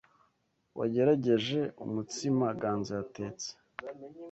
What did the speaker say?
Wagerageje umutsima Ganza yatetse?